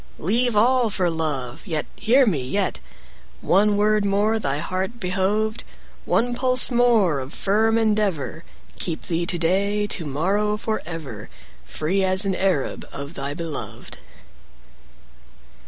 25 Leave all for love; Yet, hear me, yet, One word more thy heart behoved, One pulse more of firm endeavour— Keep thee to day, 30 To morrow, for ever, Free as an Arab Of thy beloved.